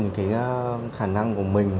cái khả năng của mình